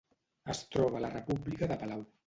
Es troba a la República de Palau.